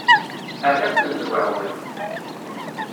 Rriɣ-ten deg uɛewwiq.